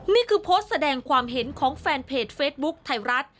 นี่คือโพสต์แสดงความเห็นของแฟนเพจเฟซบุ๊คไทยรัฐ